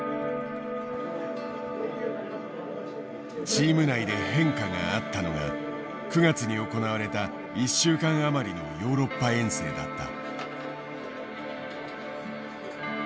チーム内で変化があったのが９月に行われた１週間余りのヨーロッパ遠征だった。